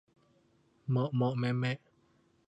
เมาะเมาะแมะแมะ